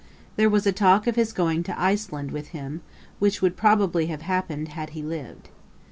There was a talk of his going to Iceland with him, which would probably have happened had he lived.